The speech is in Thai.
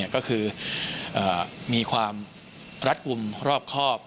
ก็คือมีความรัดกลุ่มรอบครอบ